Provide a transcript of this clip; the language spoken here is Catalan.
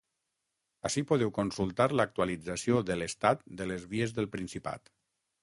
Ací podeu consultar l’actualització de l’estat de les vies del Principat.